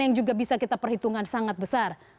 yang juga bisa kita perhitungkan sangat besar